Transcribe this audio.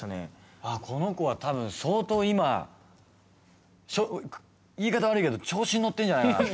あ、この子は多分、相当今、言い方悪いけど調子に乗ってるんじゃないかなって。